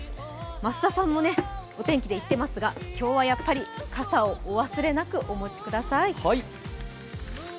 増田さんもお天気で言ってますが今日はやっぱり傘をお忘れなくお持ちください。